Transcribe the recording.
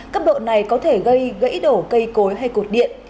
cấp độ này có thể gây gãy đổ cây cối hay cột điện